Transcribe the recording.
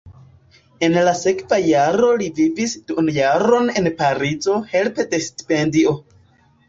En la sekva jaro li vivis duonjaron en Parizo helpe de stipendio.